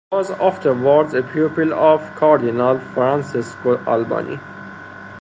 He was afterwards a pupil of Cardinal Francesco Albani.